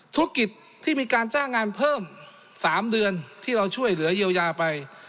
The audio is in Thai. ธุรกิจที่มีการจ้างงานเพิ่ม๓เดือนที่เราช่วยเหลือเยียวยาไป